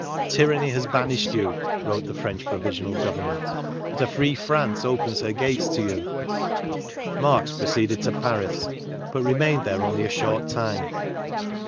" Tyranny has banished you," wrote the French Pro visional Government, " but a free France opens her gates to you." Marx proceeded to Paris, but remained there only a short time.